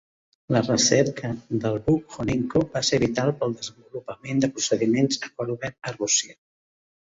La recerca de Brukhonenko va ser vital pel desenvolupament de procediments a cor obert a Rússia.